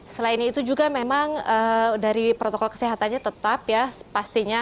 selain itu juga memang dari protokol kesehatannya tetap ya pastinya